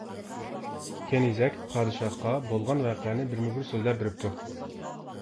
كېنىزەك پادىشاھقا بولغان ۋەقەنى بىرمۇبىر سۆزلەپ بېرىپتۇ.